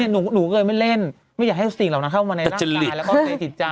หนูเคยไม่เล่นไม่อยากให้สิ่งเหล่านั้นเข้ามาในร่างกายแล้วก็ในจิตใจ